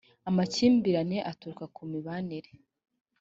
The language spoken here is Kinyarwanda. amakimbirane aturuka ku mibanire